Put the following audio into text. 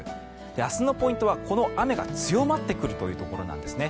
明日のポイントはこの雨が強まってくるというところなんですね。